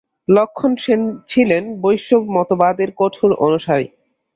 লক্ষ্মণ সেন ছিলেন বৈষ্ণব মতবাদের কঠোর অনুসারী।